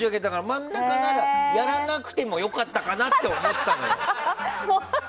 真ん中ならやらなくても良かったかなと思ったの。